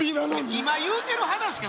今言うてる話か？